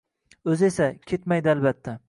O‘zi esa, ketmaydi albatta.